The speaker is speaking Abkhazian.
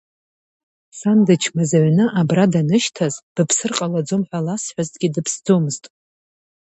Сан дычмазаҩны абра данышьҭаз, быԥсыр ҟалаӡом ҳәа ласҳәазҭгьы дыԥсӡомызт.